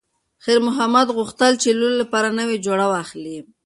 خیر محمد غوښتل چې د لور لپاره نوې جوړه واخلي.